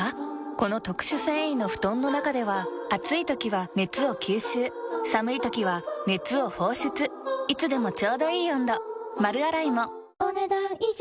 この特殊繊維の布団の中では暑い時は熱を吸収寒い時は熱を放出いつでもちょうどいい温度丸洗いもお、ねだん以上。